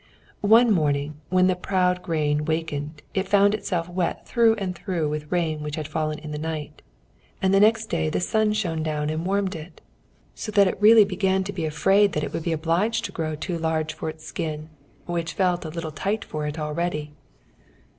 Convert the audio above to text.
One morning, when the proud grain wakened, it found itself wet through and through with rain which had fallen in the night, and the next day the sun shone down and warmed it so that it really began to be afraid that it would be obliged to grow too large for its skin, which felt a little tight for it already.